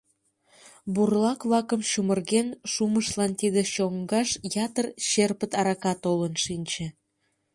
Бурлак-влакын чумырген шумыштлан тиде чоҥгаш ятыр черпыт арака толын шинче.